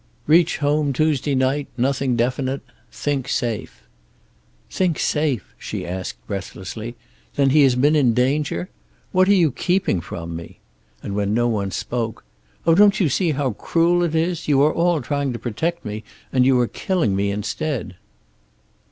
"Reach home Tuesday night. Nothing definite. Think safe." "Think safe?" she asked, breathlessly. "Then he has been in danger? What are you keeping from me?" And when no one spoke: "Oh, don't you see how cruel it is? You are all trying to protect me, and you are killing me instead."